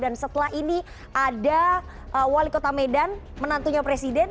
dan setelah ini ada wali kota medan menantunya presiden